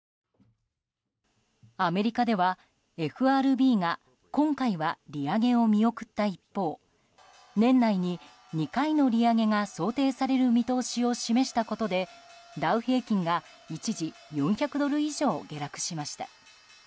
アメリカではＦＲＢが今回は利上げを見送った一方年内に２回の利上げが想定される見通しを示したことでダウ平均が一時４００ドル以上下落しました。